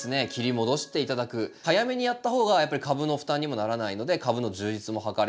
早めにやった方がやっぱり株の負担にもならないので株の充実も図れます。